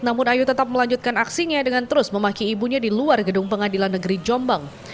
namun ayu tetap melanjutkan aksinya dengan terus memaki ibunya di luar gedung pengadilan negeri jombang